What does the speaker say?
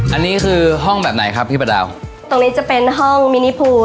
อันนี้คือห้องแบบไหนครับพี่ประดาวตรงนี้จะเป็นห้องมินิพูล